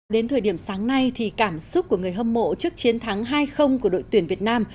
đến thời điểm sáng nay thì cảm xúc của người hâm mộ trước chiến thắng hai của đội tuyển việt nam